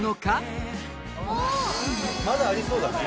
伊達：まだありそうだね。